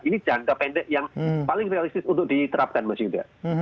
ini jangka pendek yang paling realistis untuk diterapkan mas yuda